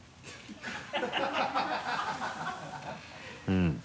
うん。